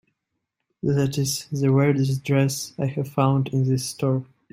That is the weirdest dress I have found in this store.